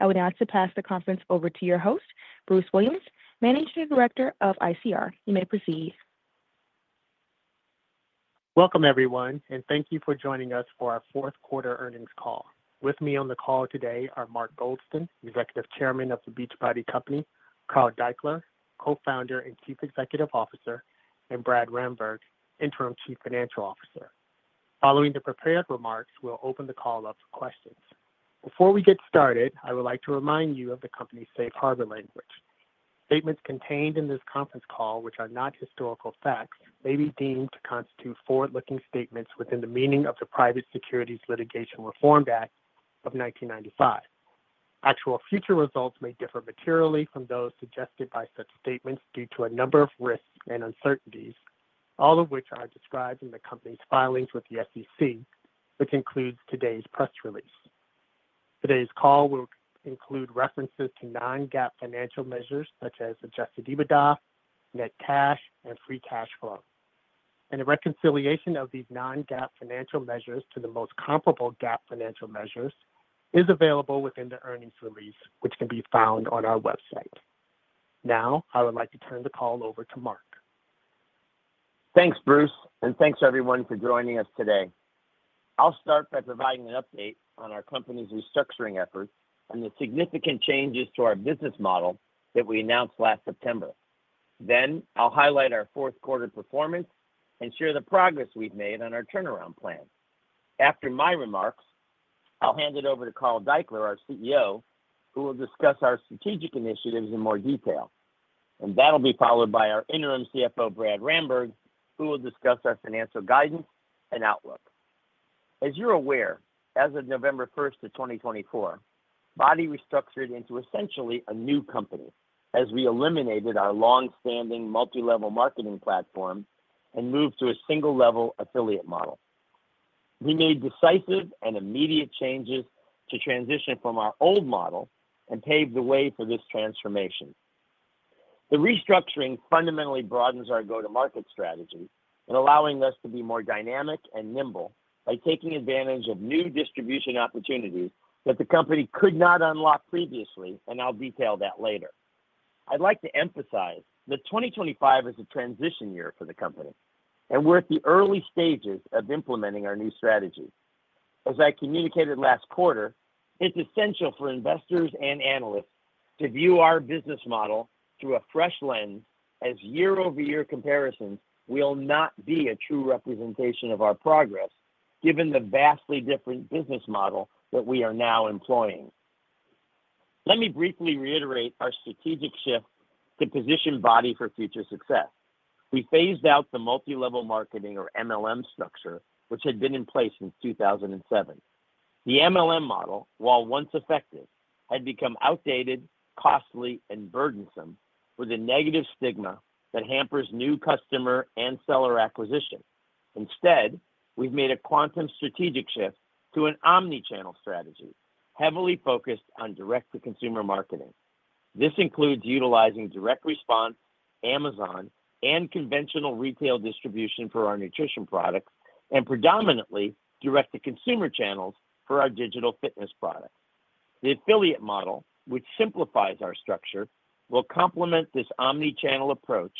I would now like to pass the conference over to your host, Bruce Williams, Managing Director of ICR. You may proceed. Welcome, everyone, and thank you for joining us for our fourth quarter earnings call. With me on the call today are Mark Goldston, Executive Chairman of the Beachbody Company; Carl Daikeler, Co-founder and Chief Executive Officer; and Brad Ramberg, Interim Chief Financial Officer. Following the prepared remarks, we'll open the call up for questions. Before we get started, I would like to remind you of the company's safe harbor language. Statements contained in this conference call, which are not historical facts, may be deemed to constitute forward-looking statements within the meaning of the Private Securities Litigation Reform Act of 1995. Actual future results may differ materially from those suggested by such statements due to a number of risks and uncertainties, all of which are described in the company's filings with the SEC, which includes today's press release. Today's call will include references to non-GAAP financial measures such as adjusted EBITDA, net cash, and free cash flow. A reconciliation of these non-GAAP financial measures to the most comparable GAAP financial measures is available within the earnings release, which can be found on our website. Now, I would like to turn the call over to Mark. Thanks, Bruce, and thanks everyone for joining us today. I'll start by providing an update on our company's restructuring efforts and the significant changes to our business model that we announced last September. I'll highlight our fourth quarter performance and share the progress we've made on our turnaround plan. After my remarks, I'll hand it over to Carl Daikeler, our CEO, who will discuss our strategic initiatives in more detail. That will be followed by our Interim CFO, Brad Ramberg, who will discuss our financial guidance and outlook. As you're aware, as of November 1, 2024, BODi restructured into essentially a new company as we eliminated our longstanding multi-level marketing platform and moved to a single-level affiliate model. We made decisive and immediate changes to transition from our old model and paved the way for this transformation. The restructuring fundamentally broadens our go-to-market strategy and allows us to be more dynamic and nimble by taking advantage of new distribution opportunities that the company could not unlock previously, and I'll detail that later. I'd like to emphasize that 2025 is a transition year for the company, and we're at the early stages of implementing our new strategy. As I communicated last quarter, it's essential for investors and analysts to view our business model through a fresh lens as year-over-year comparisons will not be a true representation of our progress given the vastly different business model that we are now employing. Let me briefly reiterate our strategic shift to position BODi for future success. We phased out the multi-level marketing, or MLM, structure, which had been in place since 2007. The MLM model, while once effective, had become outdated, costly, and burdensome with a negative stigma that hampers new customer and seller acquisition. Instead, we've made a quantum strategic shift to an omnichannel strategy heavily focused on direct-to-consumer marketing. This includes utilizing direct response, Amazon, and conventional retail distribution for our nutrition products, and predominantly direct-to-consumer channels for our digital fitness products. The affiliate model, which simplifies our structure, will complement this omnichannel approach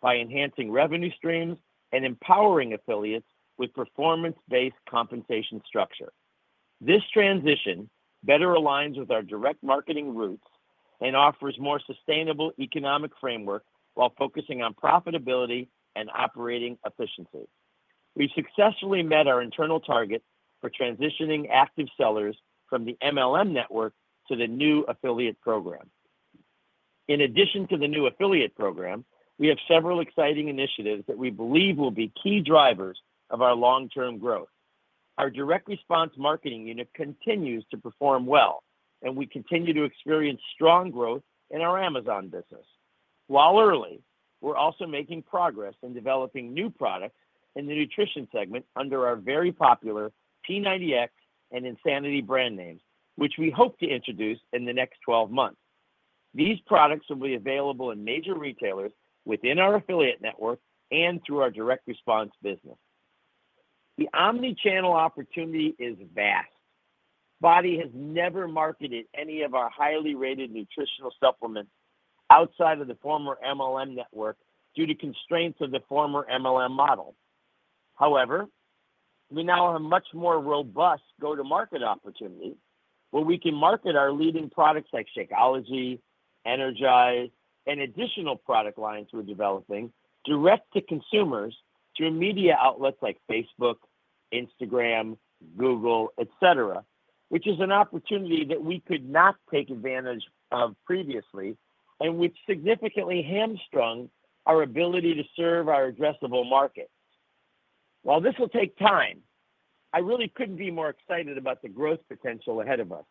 by enhancing revenue streams and empowering affiliates with performance-based compensation structure. This transition better aligns with our direct marketing roots and offers a more sustainable economic framework while focusing on profitability and operating efficiency. We've successfully met our internal target for transitioning active sellers from the MLM network to the new affiliate program. In addition to the new affiliate program, we have several exciting initiatives that we believe will be key drivers of our long-term growth. Our direct response marketing unit continues to perform well, and we continue to experience strong growth in our Amazon business. While early, we're also making progress in developing new products in the nutrition segment under our very popular P90X and Insanity brand names, which we hope to introduce in the next 12 months. These products will be available in major retailers within our affiliate network and through our direct response business. The omnichannel opportunity is vast. BODi has never marketed any of our highly rated nutritional supplements outside of the former MLM network due to constraints of the former MLM model. However, we now have a much more robust go-to-market opportunity where we can market our leading products like Shakeology, Energize, and additional product lines we're developing direct to consumers through media outlets like Facebook, Instagram, Google, etc., which is an opportunity that we could not take advantage of previously and which significantly hamstrung our ability to serve our addressable market. While this will take time, I really couldn't be more excited about the growth potential ahead of us.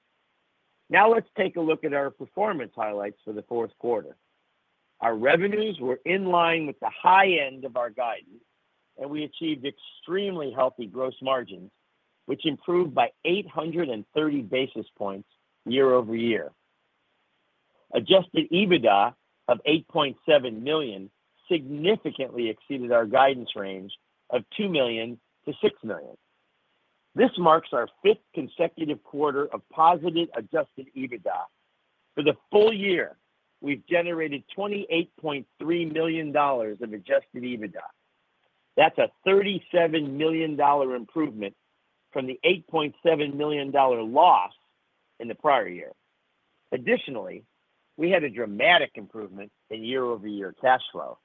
Now, let's take a look at our performance highlights for the fourth quarter. Our revenues were in line with the high end of our guidance, and we achieved extremely healthy gross margins, which improved by 830 basis points year-over-year. Adjusted EBITDA of $8.7 million significantly exceeded our guidance range of $2 million-$6 million. This marks our fifth consecutive quarter of positive adjusted EBITDA. For the full year, we've generated $28.3 million of adjusted EBITDA. That's a $37 million improvement from the $8.7 million loss in the prior year. Additionally, we had a dramatic improvement in year-over-year cash flow.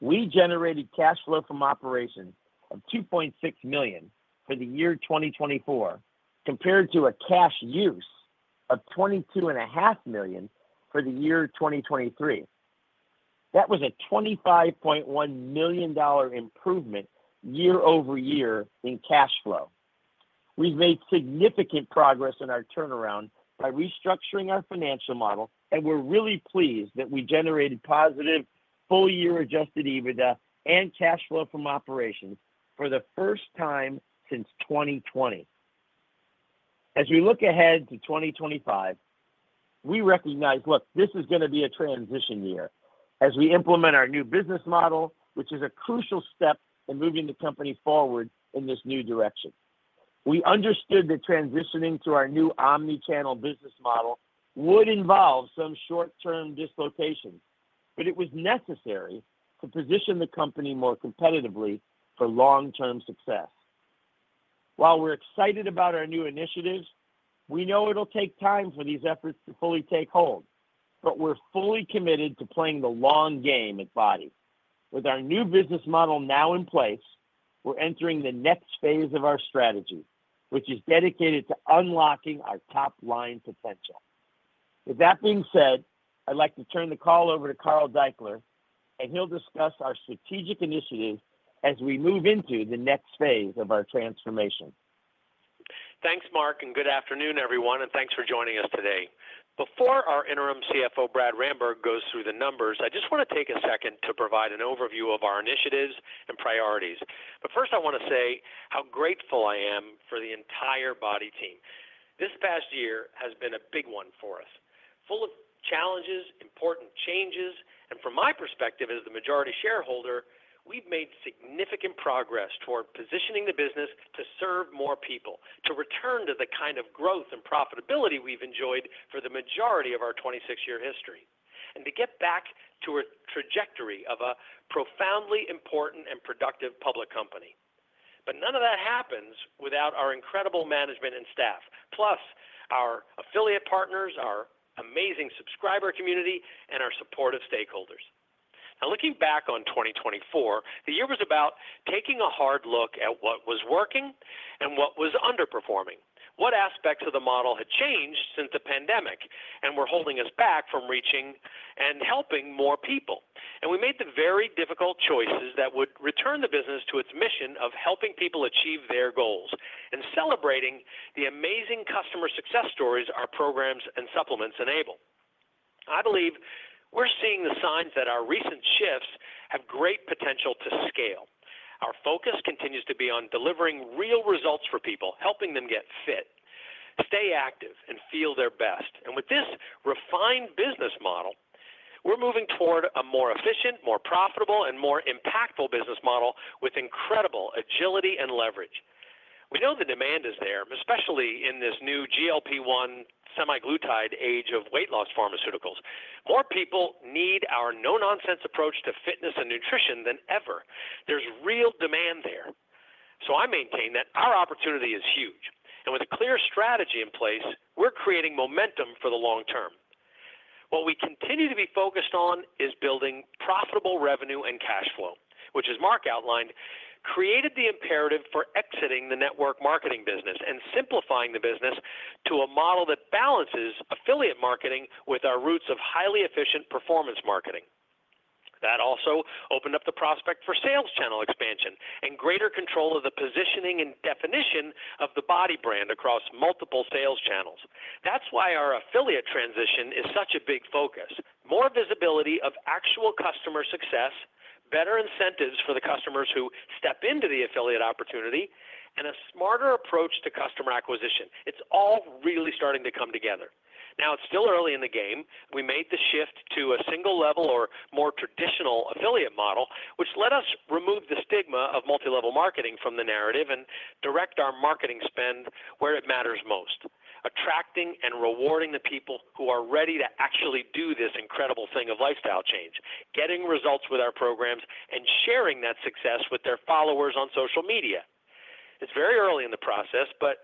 We generated cash flow from operations of $2.6 million for the year 2024 compared to a cash use of $22.5 million for the year 2023. That was a $25.1 million improvement year-over-year in cash flow. We've made significant progress in our turnaround by restructuring our financial model, and we're really pleased that we generated positive full-year adjusted EBITDA and cash flow from operations for the first time since 2020. As we look ahead to 2025, we recognize, look, this is going to be a transition year as we implement our new business model, which is a crucial step in moving the company forward in this new direction. We understood that transitioning to our new omnichannel business model would involve some short-term dislocations, but it was necessary to position the company more competitively for long-term success. While we're excited about our new initiatives, we know it'll take time for these efforts to fully take hold, but we're fully committed to playing the long game at BODi. With our new business model now in place, we're entering the next phase of our strategy, which is dedicated to unlocking our top-line potential. With that being said, I'd like to turn the call over to Carl Daikeler, and he'll discuss our strategic initiatives as we move into the next phase of our transformation. Thanks, Mark, and good afternoon, everyone, and thanks for joining us today. Before our Interim CFO, Brad Ramberg, goes through the numbers, I just want to take a second to provide an overview of our initiatives and priorities. First, I want to say how grateful I am for the entire BODi team. This past year has been a big one for us, full of challenges, important changes, and from my perspective as the majority shareholder, we've made significant progress toward positioning the business to serve more people, to return to the kind of growth and profitability we've enjoyed for the majority of our 26-year history, and to get back to a trajectory of a profoundly important and productive public company. None of that happens without our incredible management and staff, plus our affiliate partners, our amazing subscriber community, and our supportive stakeholders. Now, looking back on 2024, the year was about taking a hard look at what was working and what was underperforming, what aspects of the model had changed since the pandemic and were holding us back from reaching and helping more people. We made the very difficult choices that would return the business to its mission of helping people achieve their goals and celebrating the amazing customer success stories our programs and supplements enable. I believe we're seeing the signs that our recent shifts have great potential to scale. Our focus continues to be on delivering real results for people, helping them get fit, stay active, and feel their best. With this refined business model, we're moving toward a more efficient, more profitable, and more impactful business model with incredible agility and leverage. We know the demand is there, especially in this new GLP-1 semaglutide age of weight loss pharmaceuticals. More people need our no-nonsense approach to fitness and nutrition than ever. There's real demand there. I maintain that our opportunity is huge. With a clear strategy in place, we're creating momentum for the long term. What we continue to be focused on is building profitable revenue and cash flow, which, as Mark outlined, created the imperative for exiting the network marketing business and simplifying the business to a model that balances affiliate marketing with our roots of highly efficient performance marketing. That also opened up the prospect for sales channel expansion and greater control of the positioning and definition of the BODi brand across multiple sales channels. That's why our affiliate transition is such a big focus: more visibility of actual customer success, better incentives for the customers who step into the affiliate opportunity, and a smarter approach to customer acquisition. It's all really starting to come together. Now, it's still early in the game. We made the shift to a single-level or more traditional affiliate model, which let us remove the stigma of multi-level marketing from the narrative and direct our marketing spend where it matters most: attracting and rewarding the people who are ready to actually do this incredible thing of lifestyle change, getting results with our programs, and sharing that success with their followers on social media. It's very early in the process, but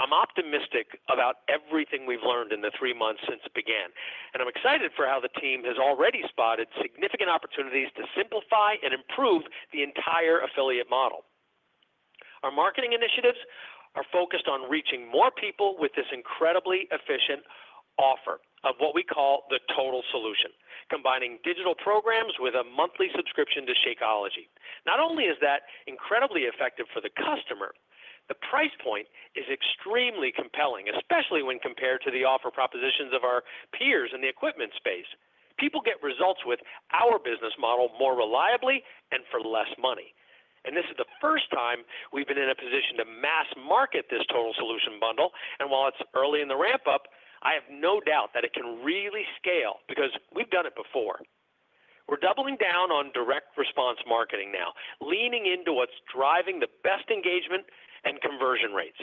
I'm optimistic about everything we've learned in the three months since it began. I'm excited for how the team has already spotted significant opportunities to simplify and improve the entire affiliate model. Our marketing initiatives are focused on reaching more people with this incredibly efficient offer of what we call the total solution, combining digital programs with a monthly subscription to Shakeology. Not only is that incredibly effective for the customer, the price point is extremely compelling, especially when compared to the offer propositions of our peers in the equipment space. People get results with our business model more reliably and for less money. This is the first time we've been in a position to mass market this total solution bundle. While it's early in the ramp-up, I have no doubt that it can really scale because we've done it before. We're doubling down on direct response marketing now, leaning into what's driving the best engagement and conversion rates.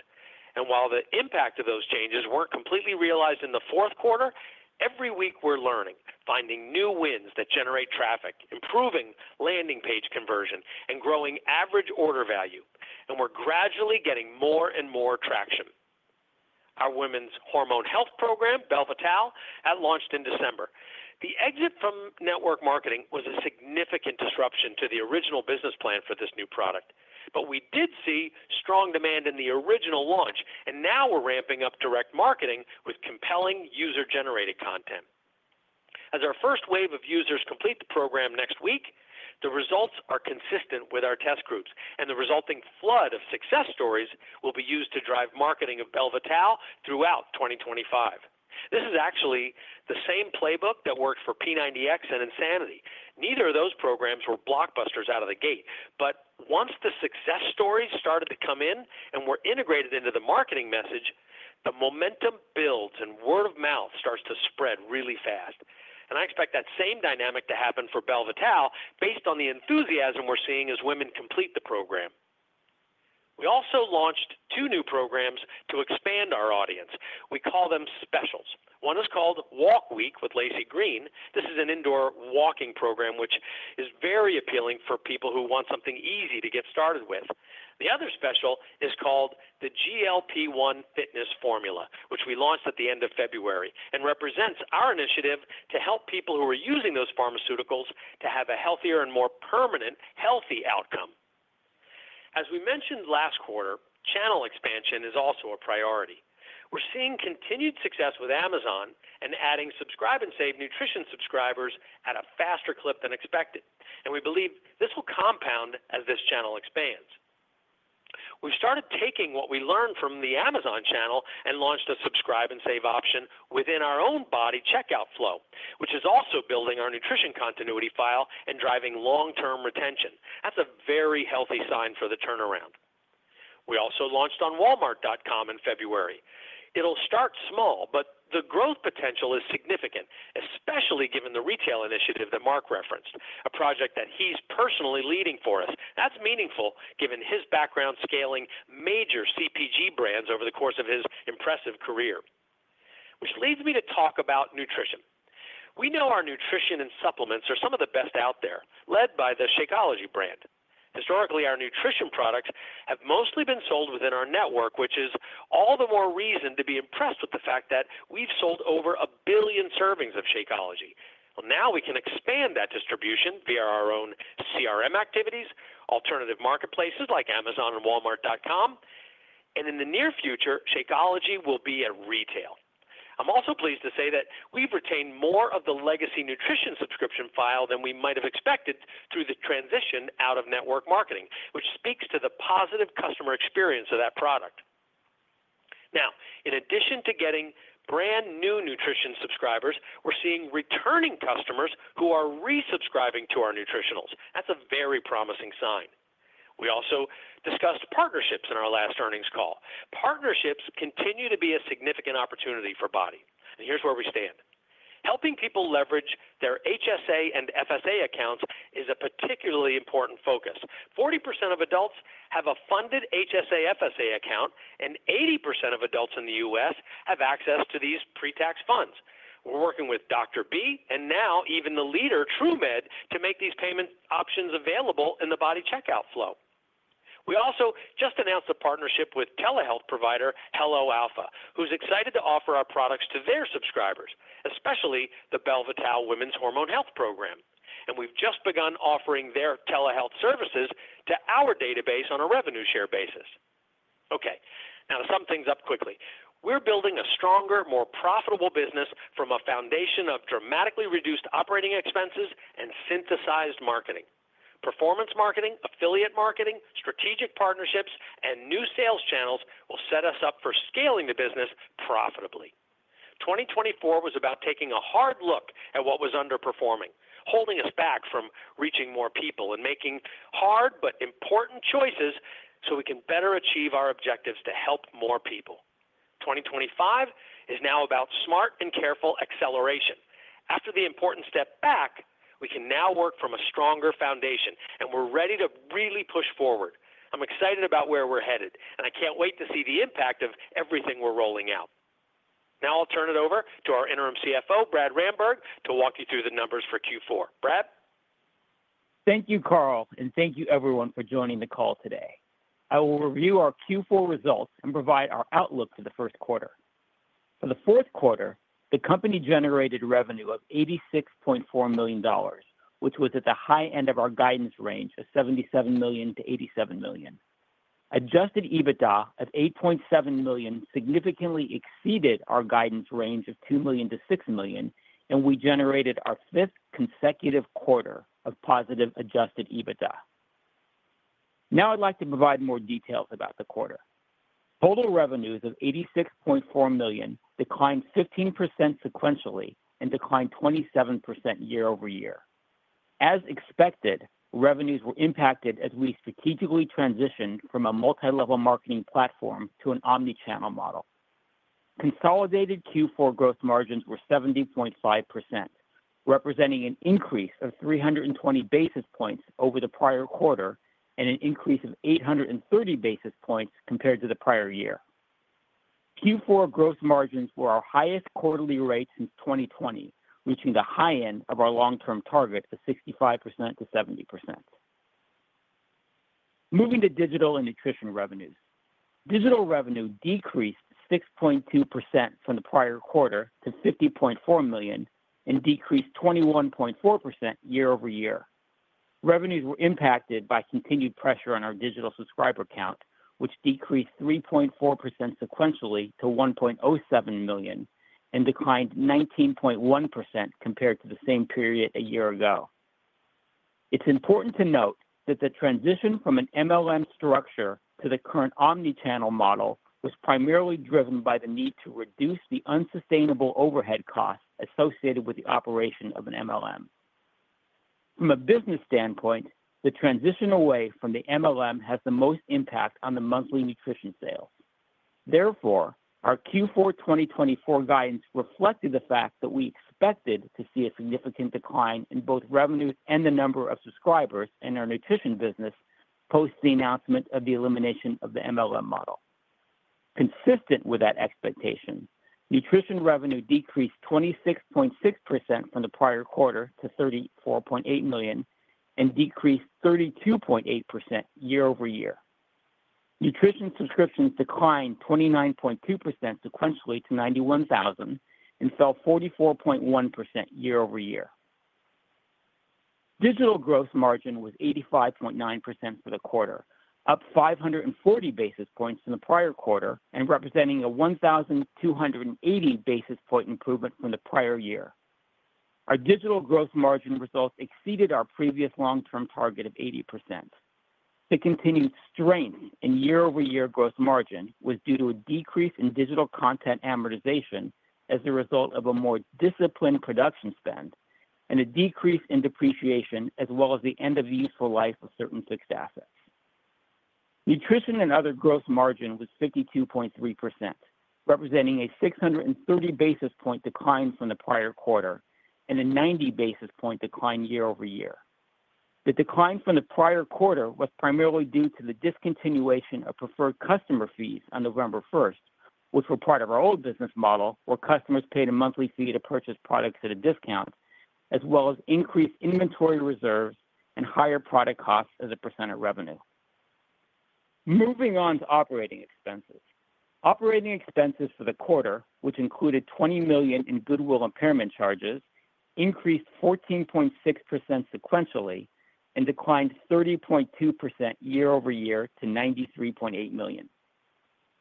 While the impact of those changes was not completely realized in the fourth quarter, every week we are learning, finding new wins that generate traffic, improving landing page conversion, and growing average order value. We are gradually getting more and more traction. Our women's hormone health program, Belle Vitale, launched in December. The exit from network marketing was a significant disruption to the original business plan for this new product, but we did see strong demand in the original launch, and now we are ramping up direct marketing with compelling user-generated content. As our first wave of users complete the program next week, the results are consistent with our test groups, and the resulting flood of success stories will be used to drive marketing of Belle Vitale throughout 2025. This is actually the same playbook that worked for P90X and Insanity. Neither of those programs were blockbusters out of the gate, but once the success stories started to come in and were integrated into the marketing message, the momentum builds and word of mouth starts to spread really fast. I expect that same dynamic to happen for Bell vitale based on the enthusiasm we're seeing as women complete the program. We also launched two new programs to expand our audience. We call them specials. One is called Walk Week with Lacee Green. This is an indoor walking program, which is very appealing for people who want something easy to get started with. The other special is called the GLP-1 Fitness Formula, which we launched at the end of February and represents our initiative to help people who are using those pharmaceuticals to have a healthier and more permanent healthy outcome. As we mentioned last quarter, channel expansion is also a priority. We're seeing continued success with Amazon and adding subscribe-and-save nutrition subscribers at a faster clip than expected. We believe this will compound as this channel expands. We've started taking what we learned from the Amazon channel and launched a subscribe-and-save option within our own BODi checkout flow, which is also building our nutrition continuity file and driving long-term retention. That's a very healthy sign for the turnaround. We also launched on Walmart.com in February. It'll start small, but the growth potential is significant, especially given the retail initiative that Mark referenced, a project that he's personally leading for us. That's meaningful given his background scaling major CPG brands over the course of his impressive career. Which leads me to talk about nutrition. We know our nutrition and supplements are some of the best out there, led by the Shakeology brand. Historically, our nutrition products have mostly been sold within our network, which is all the more reason to be impressed with the fact that we've sold over a billion servings of Shakeology. Now we can expand that distribution via our own CRM activities, alternative marketplaces like Amazon and Walmart.com. In the near future, Shakeology will be at retail. I'm also pleased to say that we've retained more of the legacy nutrition subscription file than we might have expected through the transition out of network marketing, which speaks to the positive customer experience of that product. In addition to getting brand new nutrition subscribers, we're seeing returning customers who are resubscribing to our nutritionals. That's a very promising sign. We also discussed partnerships in our last earnings call. Partnerships continue to be a significant opportunity for BODi. Here's where we stand. Helping people leverage their HSA and FSA accounts is a particularly important focus. 40% of adults have a funded HSA FSA account, and 80% of adults in the U.S. have access to these pre-tax funds. We're working with Dr. B and now even the leader, TruMed, to make these payment options available in the BODi checkout flow. We also just announced a partnership with telehealth provider Hello Alpha, who's excited to offer our products to their subscribers, especially the Belle Vitale Women's Hormone Health Program. We've just begun offering their telehealth services to our database on a revenue share basis. Okay. Now, to sum things up quickly, we're building a stronger, more profitable business from a foundation of dramatically reduced operating expenses and synthesized marketing. Performance marketing, affiliate marketing, strategic partnerships, and new sales channels will set us up for scaling the business profitably. 2024 was about taking a hard look at what was underperforming, holding us back from reaching more people, and making hard but important choices so we can better achieve our objectives to help more people. 2025 is now about smart and careful acceleration. After the important step back, we can now work from a stronger foundation, and we're ready to really push forward. I'm excited about where we're headed, and I can't wait to see the impact of everything we're rolling out. Now, I'll turn it over to our Interim CFO, Brad Ramberg, to walk you through the numbers for Q4. Brad? Thank you, Carl, and thank you, everyone, for joining the call today. I will review our Q4 results and provide our outlook for the first quarter. For the fourth quarter, the company generated revenue of $86.4 million, which was at the high end of our guidance range of $77 million-$87 million. Adjusted EBITDA of $8.7 million significantly exceeded our guidance range of $2 million-$6 million, and we generated our fifth consecutive quarter of positive adjusted EBITDA. Now, I'd like to provide more details about the quarter. Total revenues of $86.4 million declined 15% sequentially and declined 27% year-over-year. As expected, revenues were impacted as we strategically transitioned from a multi-level marketing platform to an omnichannel model. Consolidated Q4 gross margins were 70.5%, representing an increase of 320 basis points over the prior quarter and an increase of 830 basis points compared to the prior year. Q4 gross margins were our highest quarterly rate since 2020, reaching the high end of our long-term target of 65%-70%. Moving to digital and nutrition revenues. Digital revenue decreased 6.2% from the prior quarter to $50.4 million and decreased 21.4% year over year. Revenues were impacted by continued pressure on our digital subscriber count, which decreased 3.4% sequentially to 1.07 million and declined 19.1% compared to the same period a year ago. It's important to note that the transition from an MLM structure to the current omnichannel model was primarily driven by the need to reduce the unsustainable overhead costs associated with the operation of an MLM. From a business standpoint, the transition away from the MLM has the most impact on the monthly nutrition sales. Therefore, our Q4 2024 guidance reflected the fact that we expected to see a significant decline in both revenues and the number of subscribers in our nutrition business post the announcement of the elimination of the MLM model. Consistent with that expectation, nutrition revenue decreased 26.6% from the prior quarter to $34.8 million and decreased 32.8% year-over-year. Nutrition subscriptions declined 29.2% sequentially to 91,000 and fell 44.1% year-over-year. Digital gross margin was 85.9% for the quarter, up 540 basis points from the prior quarter and representing a 1,280 basis point improvement from the prior year. Our digital gross margin results exceeded our previous long-term target of 80%. The continued strength in year-over-year gross margin was due to a decrease in digital content amortization as a result of a more disciplined production spend and a decrease in depreciation, as well as the end-of-useful life of certain fixed assets. Nutrition and other gross margin was 52.3%, representing a 630 basis point decline from the prior quarter and a 90 basis point decline year over year. The decline from the prior quarter was primarily due to the discontinuation of preferred customer fees on November 1, which were part of our old business model, where customers paid a monthly fee to purchase products at a discount, as well as increased inventory reserves and higher product costs as a percent of revenue. Moving on to operating expenses. Operating expenses for the quarter, which included $20 million in goodwill impairment charges, increased 14.6% sequentially and declined 30.2% year over year to $93.8 million.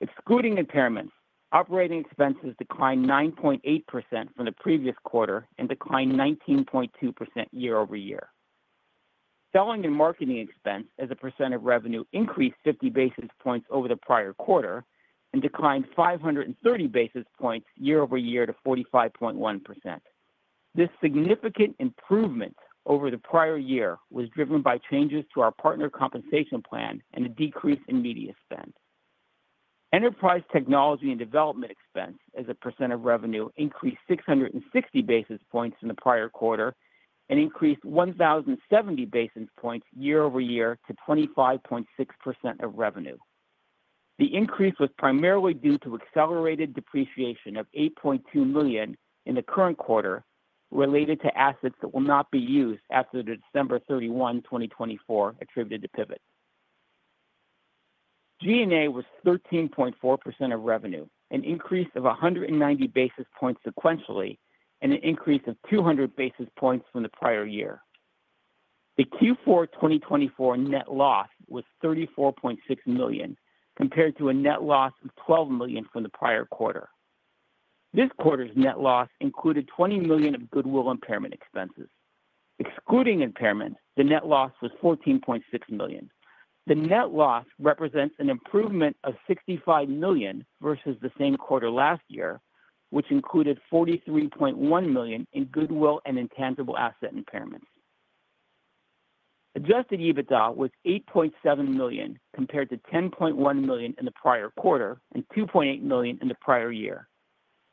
Excluding impairments, operating expenses declined 9.8% from the previous quarter and declined 19.2% year-over -year. Selling and marketing expense as a percent of revenue increased 50 basis points over the prior quarter and declined 530 basis points year-over-year to 45.1%. This significant improvement over the prior year was driven by changes to our partner compensation plan and a decrease in media spend. Enterprise technology and development expense as a percent of revenue increased 660 basis points from the prior quarter and increased 1,070 basis points year-over-year to 25.6% of revenue. The increase was primarily due to accelerated depreciation of $8.2 million in the current quarter related to assets that will not be used after December 31, 2024, attributed to Pivot. G&A was 13.4% of revenue, an increase of 190 basis points sequentially, and an increase of 200 basis points from the prior year. The Q4 2024 net loss was $34.6 million compared to a net loss of $12 million from the prior quarter. This quarter's net loss included $20 million of goodwill impairment expenses. Excluding impairments, the net loss was $14.6 million. The net loss represents an improvement of $65 million versus the same quarter last year, which included $43.1 million in goodwill and intangible asset impairments. Adjusted EBITDA was $8.7 million compared to $10.1 million in the prior quarter and $2.8 million in the prior year.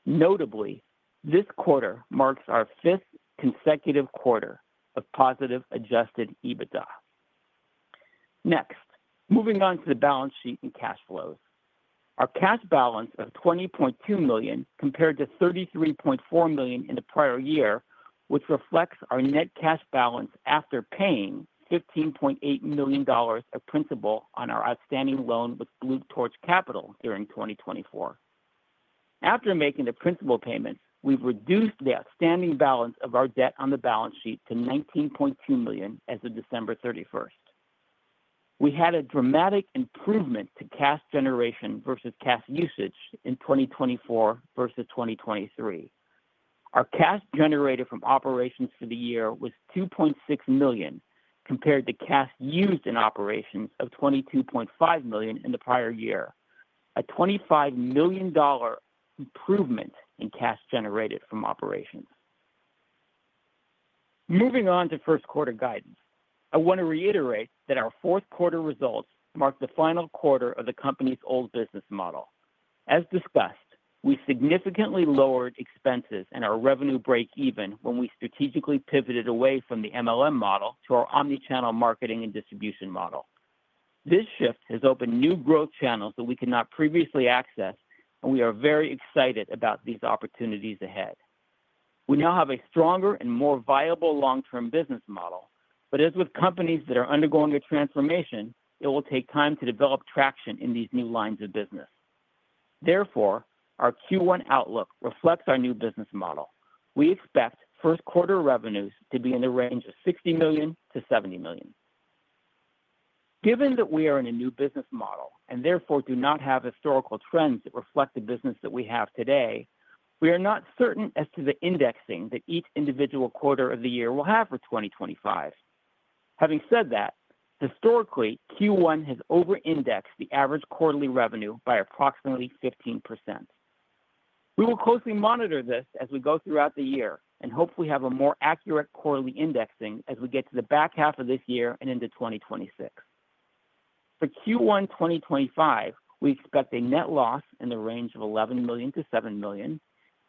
Notably, this quarter marks our fifth consecutive quarter of positive adjusted EBITDA. Next, moving on to the balance sheet and cash flows. Our cash balance of $20.2 million compared to $33.4 million in the prior year, which reflects our net cash balance after paying $15.8 million of principal on our outstanding loan with Blue Torch Capital during 2024. After making the principal payments, we've reduced the outstanding balance of our debt on the balance sheet to $19.2 million as of December 31. We had a dramatic improvement to cash generation versus cash usage in 2024 versus 2023. Our cash generated from operations for the year was $2.6 million compared to cash used in operations of $22.5 million in the prior year, a $25 million improvement in cash generated from operations. Moving on to first quarter guidance, I want to reiterate that our fourth quarter results mark the final quarter of the company's old business model. As discussed, we significantly lowered expenses and our revenue break-even when we strategically pivoted away from the MLM model to our omnichannel marketing and distribution model. This shift has opened new growth channels that we could not previously access, and we are very excited about these opportunities ahead. We now have a stronger and more viable long-term business model, but as with companies that are undergoing a transformation, it will take time to develop traction in these new lines of business. Therefore, our Q1 outlook reflects our new business model. We expect first quarter revenues to be in the range of $60 million-$70 million. Given that we are in a new business model and therefore do not have historical trends that reflect the business that we have today, we are not certain as to the indexing that each individual quarter of the year will have for 2025. Having said that, historically, Q1 has over-indexed the average quarterly revenue by approximately 15%. We will closely monitor this as we go throughout the year and hopefully have a more accurate quarterly indexing as we get to the back half of this year and into 2026. For Q1 2025, we expect a net loss in the range of $11 million-$7 million,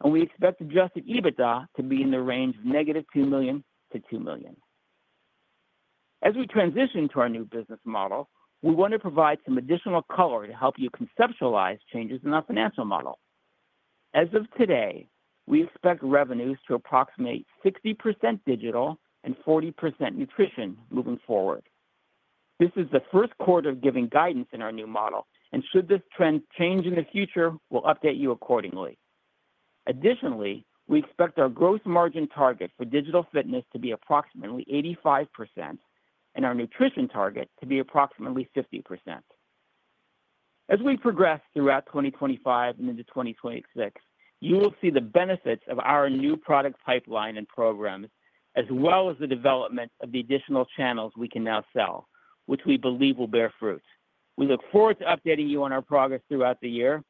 and we expect adjusted EBITDA to be in the range of negative $2 million-$2 million. As we transition to our new business model, we want to provide some additional color to help you conceptualize changes in our financial model. As of today, we expect revenues to approximate 60% digital and 40% nutrition moving forward. This is the first quarter of giving guidance in our new model, and should this trend change in the future, we'll update you accordingly. Additionally, we expect our gross margin target for digital fitness to be approximately 85% and our nutrition target to be approximately 50%. As we progress throughout 2025 and into 2026, you will see the benefits of our new product pipeline and programs, as well as the development of the additional channels we can now sell, which we believe will bear fruit. We look forward to updating you on our progress throughout the year.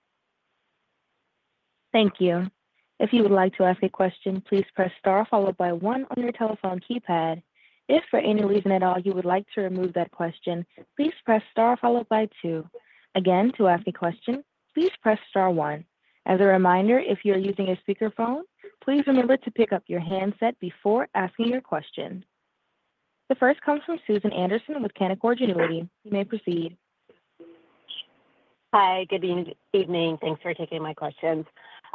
Thank you. If you would like to ask a question, please press star followed by one on your telephone keypad. If for any reason at all you would like to remove that question, please press star followed by two. Again, to ask a question, please press star one. As a reminder, if you're using a speakerphone, please remember to pick up your handset before asking your question. The first comes from Susan Anderson with Canaccord Genuity. You may proceed. Hi, good evening. Thanks for taking my questions.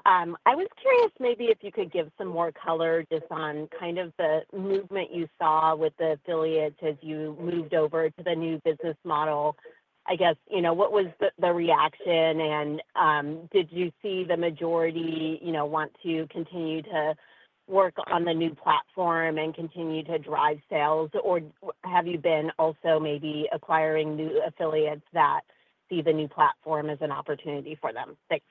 I was curious maybe if you could give some more color just on kind of the movement you saw with the affiliates as you moved over to the new business model. I guess, you know, what was the reaction and did you see the majority, you know, want to continue to work on the new platform and continue to drive sales? Or have you been also maybe acquiring new affiliates that see the new platform as an opportunity for them? Thanks.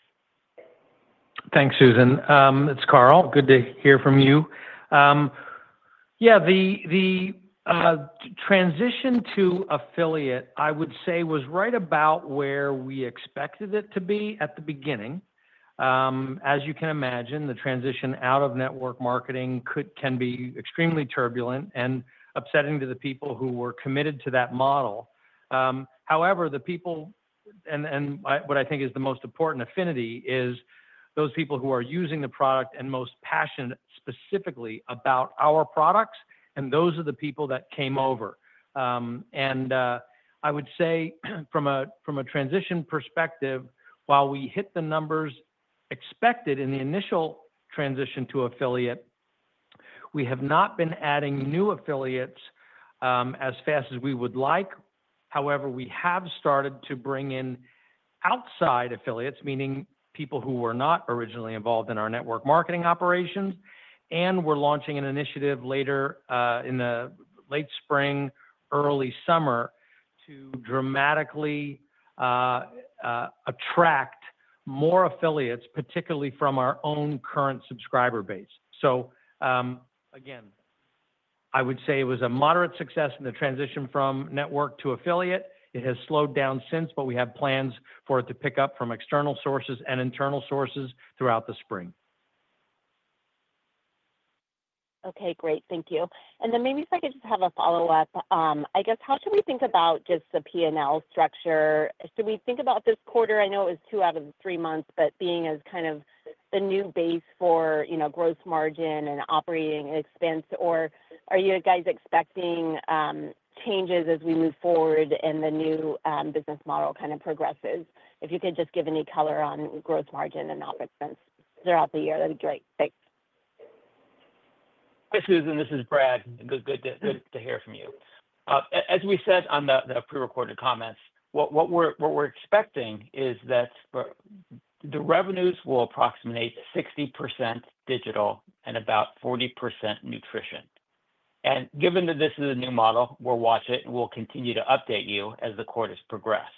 Thanks, Susan. It's Carl. Good to hear from you. Yeah, the transition to affiliate, I would say, was right about where we expected it to be at the beginning. As you can imagine, the transition out of network marketing can be extremely turbulent and upsetting to the people who were committed to that model. However, the people, and what I think is the most important affinity, is those people who are using the product and most passionate specifically about our products, and those are the people that came over. I would say from a transition perspective, while we hit the numbers expected in the initial transition to affiliate, we have not been adding new affiliates as fast as we would like. However, we have started to bring in outside affiliates, meaning people who were not originally involved in our network marketing operations, and we are launching an initiative later in the late spring, early summer, to dramatically attract more affiliates, particularly from our own current subscriber base. Again, I would say it was a moderate success in the transition from network to affiliate. It has slowed down since, but we have plans for it to pick up from external sources and internal sources throughout the spring. Okay, great. Thank you. Maybe if I could just have a follow-up, I guess, how should we think about just the P&L structure? Should we think about this quarter? I know it was two out of the three months, but being as kind of the new base for, you know, gross margin and operating expense, or are you guys expecting changes as we move forward and the new business model kind of progresses? If you could just give any color on gross margin and operating expense throughout the year, that'd be great. Thanks. Hi, Susan. This is Brad. Good to hear from you. As we said on the prerecorded comments, what we're expecting is that the revenues will approximate 60% digital and about 40% nutrition. Given that this is a new model, we'll watch it and we'll continue to update you as the quarters progress.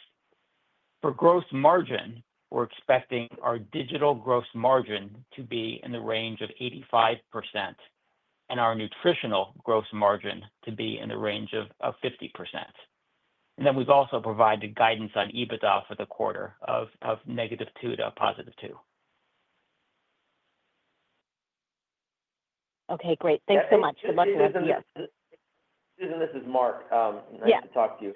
For gross margin, we're expecting our digital gross margin to be in the range of 85% and our nutritional gross margin to be in the range of 50%. We have also provided guidance on EBITDA for the quarter of negative two to positive two. Okay, great. Thanks so much. Good luck with it. Susan, this is Mark. Nice to talk to you.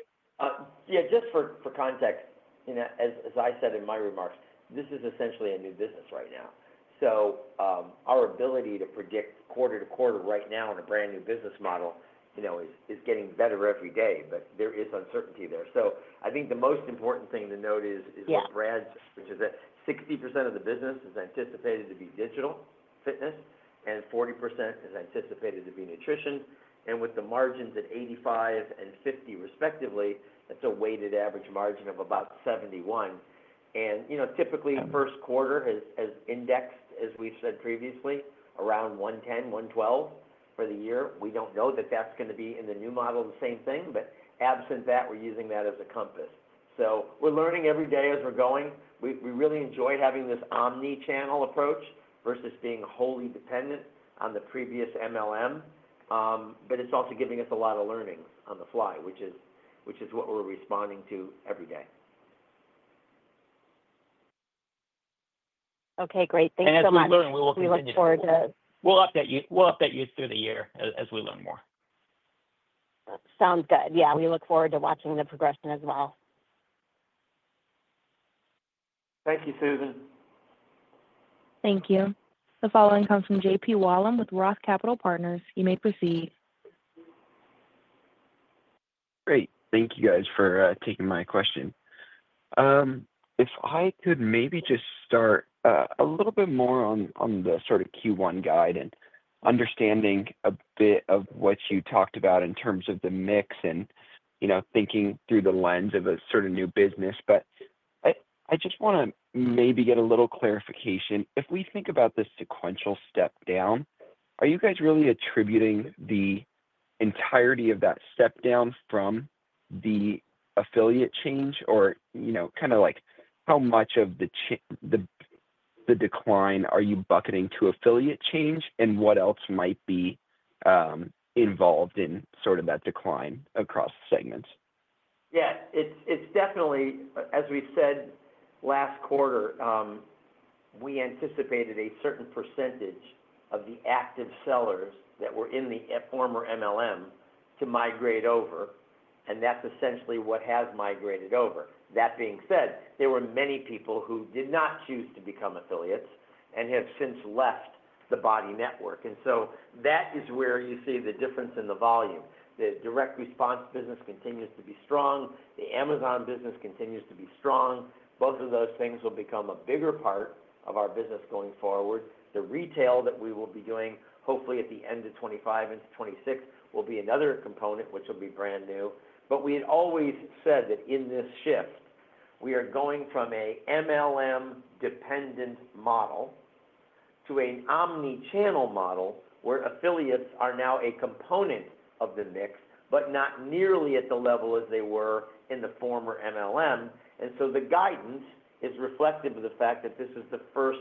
Yeah, just for context, you know, as I said in my remarks, this is essentially a new business right now. Our ability to predict quarter to quarter right now in a brand new business model, you know, is getting better every day, but there is uncertainty there. I think the most important thing to note is what Brad said, which is that 60% of the business is anticipated to be digital fitness and 40% is anticipated to be nutrition. With the margins at 85% and 50% respectively, that's a weighted average margin of about 71%. You know, typically first quarter has indexed, as we've said previously, around 110, 112 for the year. We don't know that that's going to be in the new model, the same thing, but absent that, we're using that as a compass. We're learning every day as we're going. We really enjoy having this omnichannel approach versus being wholly dependent on the previous MLM, but it's also giving us a lot of learning on the fly, which is what we're responding to every day. Okay, great. Thanks so much. As we learn, we'll look forward to. We'll update you through the year as we learn more. Sounds good. Yeah, we look forward to watching the progression as well. Thank you, Susan. Thank you. The following comes from JP Wollam with Roth Capital Partners. You may proceed. Great. Thank you, guys, for taking my question. If I could maybe just start a little bit more on the sort of Q1 guide and understanding a bit of what you talked about in terms of the mix and, you know, thinking through the lens of a sort of new business, but I just want to maybe get a little clarification. If we think about this sequential step down, are you guys really attributing the entirety of that step down from the affiliate change or, you know, kind of like how much of the decline are you bucketing to affiliate change and what else might be involved in sort of that decline across segments? Yeah, it's definitely, as we said last quarter, we anticipated a certain percentage of the active sellers that were in the former MLM to migrate over, and that's essentially what has migrated over. That being said, there were many people who did not choose to become affiliates and have since left the BODi network. That is where you see the difference in the volume. The direct response business continues to be strong. The Amazon business continues to be strong. Both of those things will become a bigger part of our business going forward. The retail that we will be doing, hopefully at the end of 2025 into 2026, will be another component, which will be brand new. We had always said that in this shift, we are going from an MLM-dependent model to an omnichannel model where affiliates are now a component of the mix, but not nearly at the level as they were in the former MLM. The guidance is reflective of the fact that this is the first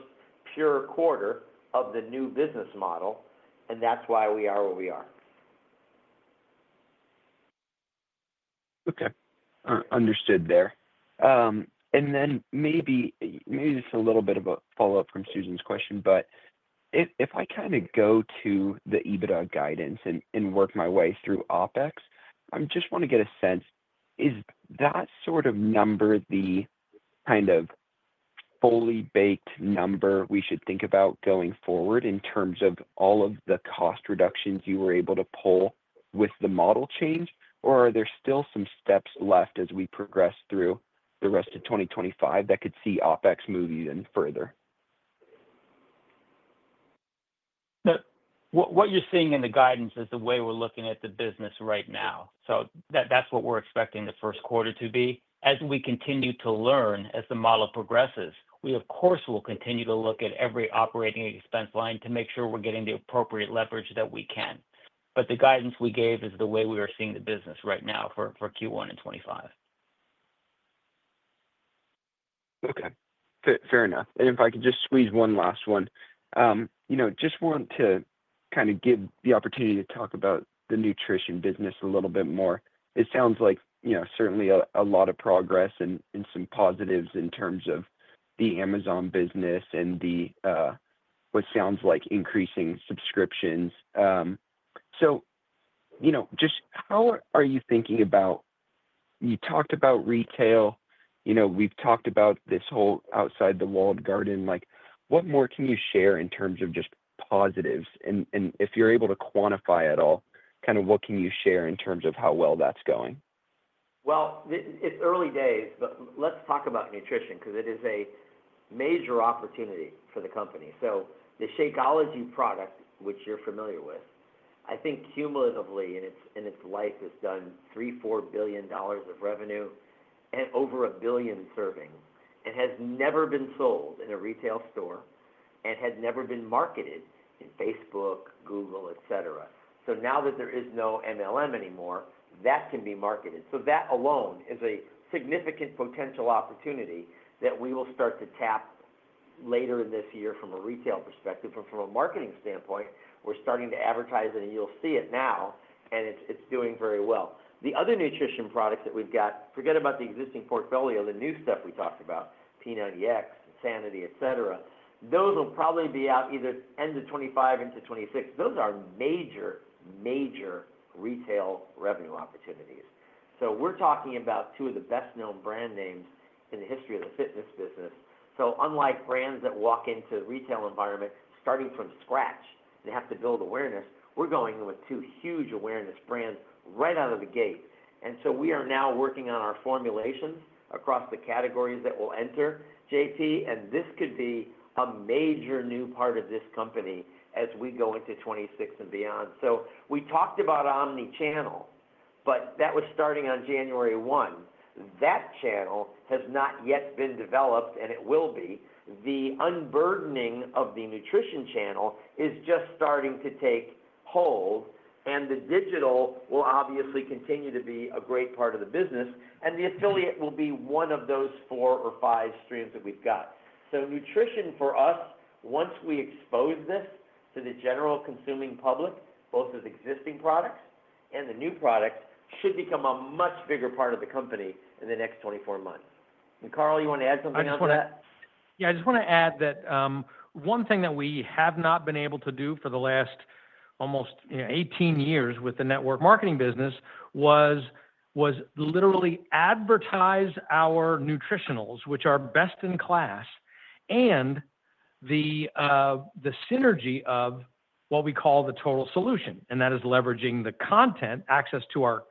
pure quarter of the new business model, and that's why we are where we are. Okay. Understood there. Maybe just a little bit of a follow-up from Susan's question, but if I kind of go to the EBITDA guidance and work my way through OpEx, I just want to get a sense, is that sort of number the kind of fully baked number we should think about going forward in terms of all of the cost reductions you were able to pull with the model change, or are there still some steps left as we progress through the rest of 2025 that could see OpEx moving in further? What you're seeing in the guidance is the way we're looking at the business right now. That is what we're expecting the first quarter to be. As we continue to learn as the model progresses, we, of course, will continue to look at every operating expense line to make sure we're getting the appropriate leverage that we can. The guidance we gave is the way we are seeing the business right now for Q1 and 2025. Okay. Fair enough. If I could just squeeze one last one, you know, just want to kind of give the opportunity to talk about the nutrition business a little bit more. It sounds like, you know, certainly a lot of progress and some positives in terms of the Amazon business and what sounds like increasing subscriptions. You know, just how are you thinking about, you talked about retail, you know, we've talked about this whole outside the walled garden, like what more can you share in terms of just positives? If you're able to quantify at all, kind of what can you share in terms of how well that's going? It's early days, but let's talk about nutrition because it is a major opportunity for the company. The Shakeology product, which you're familiar with, I think cumulatively in its life has done $3 billion-$4 billion of revenue and over a billion servings. It has never been sold in a retail store and had never been marketed in Facebook, Google, etc. Now that there is no MLM anymore, that can be marketed. That alone is a significant potential opportunity that we will start to tap later in this year from a retail perspective. From a marketing standpoint, we're starting to advertise it, and you'll see it now, and it's doing very well. The other nutrition products that we've got, forget about the existing portfolio, the new stuff we talked about, P90X, Insanity, etc., those will probably be out either end of 2025 into 2026. Those are major, major retail revenue opportunities. We are talking about two of the best-known brand names in the history of the fitness business. Unlike brands that walk into the retail environment starting from scratch and have to build awareness, we are going with two huge awareness brands right out of the gate. We are now working on our formulations across the categories that will enter JP, and this could be a major new part of this company as we go into 2026 and beyond. We talked about omnichannel, but that was starting on January 1. That channel has not yet been developed, and it will be. The unburdening of the nutrition channel is just starting to take hold, and the digital will obviously continue to be a great part of the business, and the affiliate will be one of those four or five streams that we've got. Nutrition for us, once we expose this to the general consuming public, both of the existing products and the new products, should become a much bigger part of the company in the next 24 months. Carl, you want to add something on to that? Yeah, I just want to add that one thing that we have not been able to do for the last almost 18 years with the network marketing business was literally advertise our nutritionals, which are best in class, and the synergy of what we call the total solution, and that is leveraging the content, access to our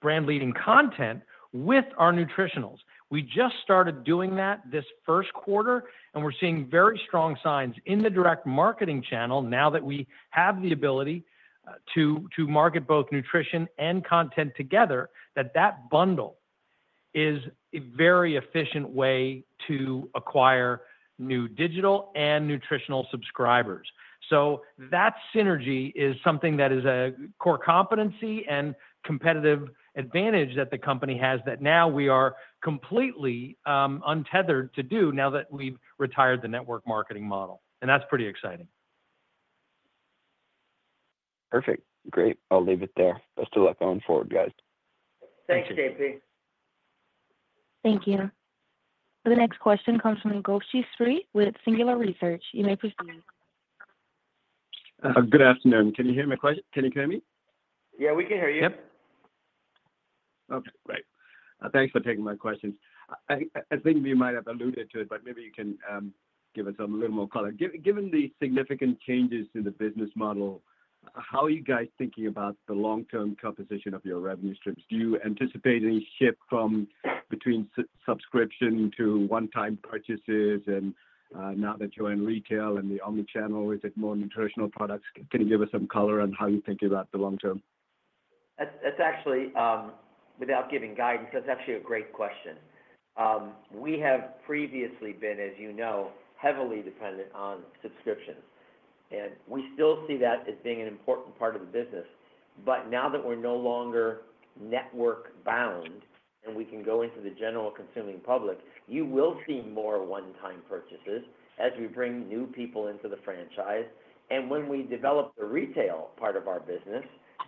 brand leading content with our nutritionals. We just started doing that this first quarter, and we're seeing very strong signs in the direct marketing channel now that we have the ability to market both nutrition and content together, that that bundle is a very efficient way to acquire new digital and nutritional subscribers. That synergy is something that is a core competency and competitive advantage that the company has that now we are completely untethered to do now that we've retired the network marketing model. That is pretty exciting. Perfect. Great. I'll leave it there. Best of luck going forward, guys. Thanks, JP. Thank you. The next question comes from Goshi Sri with Singular Research. You may proceed. Good afternoon. Can you hear me? Yeah, we can hear you. Yep. Okay, great. Thanks for taking my questions. I think you might have alluded to it, but maybe you can give us a little more color. Given the significant changes to the business model, how are you guys thinking about the long-term composition of your revenue strips? Do you anticipate any shift between subscription to one-time purchases and now that you're in retail and the omnichannel, is it more nutritional products? Can you give us some color on how you're thinking about the long-term? That's actually, without giving guidance, that's actually a great question. We have previously been, as you know, heavily dependent on subscriptions, and we still see that as being an important part of the business. Now that we're no longer network-bound and we can go into the general consuming public, you will see more one-time purchases as we bring new people into the franchise. When we develop the retail part of our business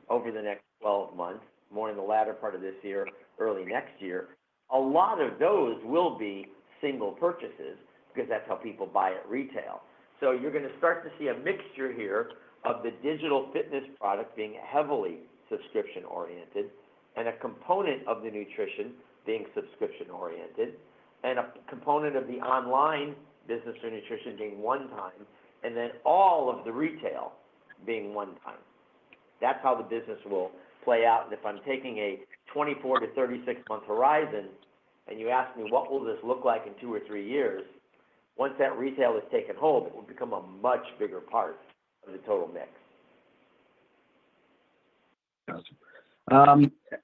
over the next 12 months, more in the latter part of this year, early next year, a lot of those will be single purchases because that's how people buy at retail. You're going to start to see a mixture here of the digital fitness product being heavily subscription-oriented and a component of the nutrition being subscription-oriented and a component of the online business or nutrition being one-time and then all of the retail being one-time. That's how the business will play out. If I'm taking a 24 to 36-month horizon and you ask me what will this look like in two or three years, once that retail has taken hold, it will become a much bigger part of the total mix.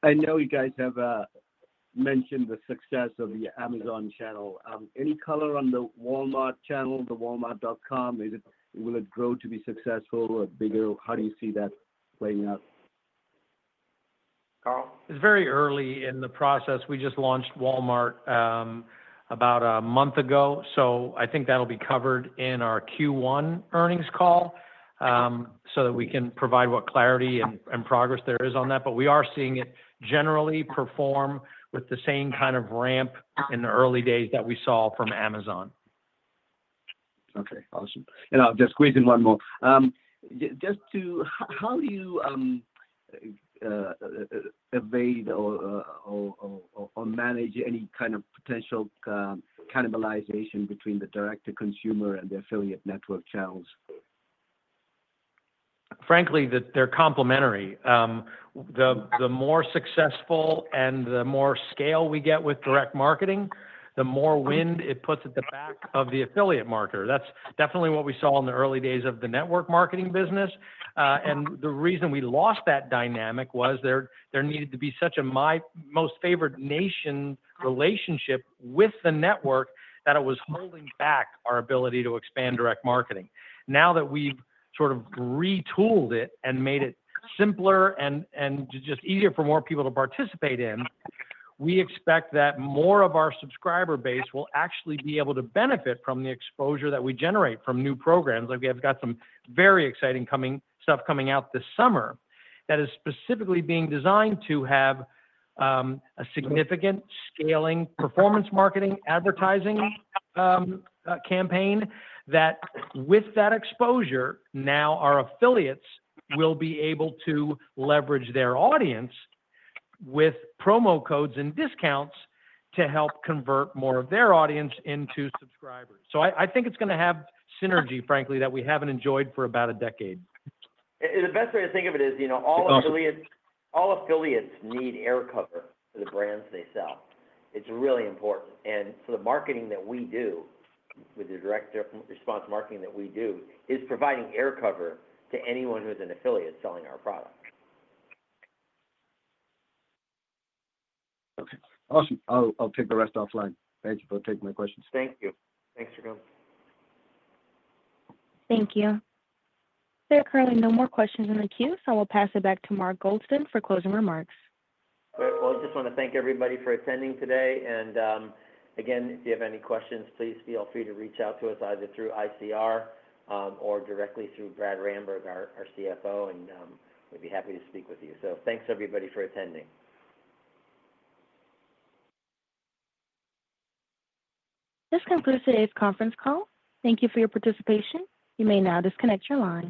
I know you guys have mentioned the success of the Amazon channel. Any color on the Walmart channel, the Walmart.com? Will it grow to be successful or bigger? How do you see that playing out? Carl? It's very early in the process. We just launched Walmart about a month ago, so I think that'll be covered in our Q1 earnings call so that we can provide what clarity and progress there is on that. We are seeing it generally perform with the same kind of ramp in the early days that we saw from Amazon. Okay, awesome. I'll just squeeze in one more. Just to, how do you evade or manage any kind of potential cannibalization between the direct-to-consumer and the affiliate network channels? Frankly, they're complementary. The more successful and the more scale we get with direct marketing, the more wind it puts at the back of the affiliate marketer. That is definitely what we saw in the early days of the network marketing business. The reason we lost that dynamic was there needed to be such a most favored nation relationship with the network that it was holding back our ability to expand direct marketing. Now that we've sort of retooled it and made it simpler and just easier for more people to participate in, we expect that more of our subscriber base will actually be able to benefit from the exposure that we generate from new programs. We have got some very exciting stuff coming out this summer that is specifically being designed to have a significant scaling performance marketing advertising campaign. With that exposure, now our affiliates will be able to leverage their audience with promo codes and discounts to help convert more of their audience into subscribers. I think it's going to have synergy, frankly, that we haven't enjoyed for about a decade. The best way to think of it is, you know, all affiliates need air cover for the brands they sell. It's really important. And for the marketing that we do, with the direct response marketing that we do, is providing air cover to anyone who is an affiliate selling our product. Okay. Awesome. I'll take the rest offline. Thank you for taking my questions. Thank you. Thanks for coming. Thank you. There are currently no more questions in the queue, so I will pass it back to Mark Goldston for closing remarks. I just want to thank everybody for attending today. If you have any questions, please feel free to reach out to us either through ICR or directly through Brad Ramberg, our CFO, and we'd be happy to speak with you. Thanks, everybody, for attending. This concludes today's conference call. Thank you for your participation. You may now disconnect your line.